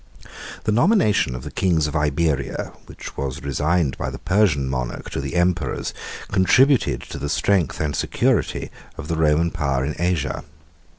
83 The nomination of the kings of Iberia, which was resigned by the Persian monarch to the emperors, contributed to the strength and security of the Roman power in Asia.